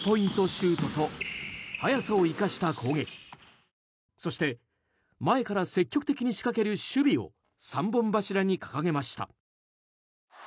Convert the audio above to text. シュートと速さを生かした攻撃そして前から積極的に仕掛ける守備を３本柱に掲げました。